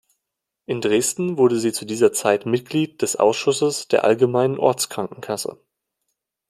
In Dresden wurde sie zu dieser Zeit Mitglied des Ausschusses der Allgemeinen Ortskrankenkasse.